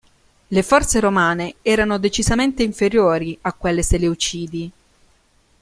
Le forze romane erano decisamente inferiori a quelle seleucidi.